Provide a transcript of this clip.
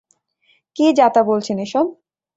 কি যাতা বলছেন এসব!